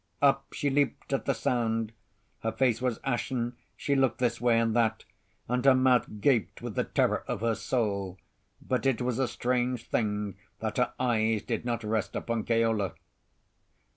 Up she leaped at the sound. Her face was ashen; she looked this way and that, and her mouth gaped with the terror of her soul. But it was a strange thing that her eyes did not rest upon Keola.